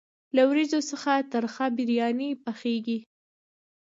له وریجو څخه ترخه بریاني پخیږي.